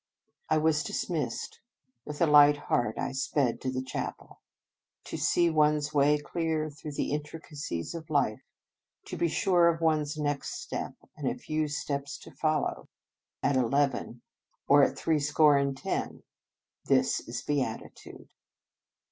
I was dismissed. With a light heart I sped to the chapel. To see one s way clear through the intricacies of life; to be sure of one s next step, and of a few steps to follow, at eleven, 103 In Our Convent Days or at threescore and ten, this is beati tude.